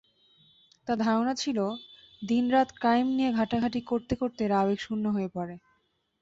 তাঁর ধারণা ছিল, দিন-রাত ক্রাইম নিয়ে ঘাঁটাঘাঁটি করতে করতে এরা আবেগশূন্য হয়ে পড়ে।